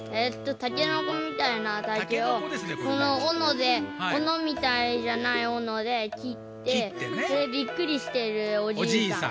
たけのこみたいなたけをこのオノでオノみたいじゃないオノできってでびっくりしてるおじいさん。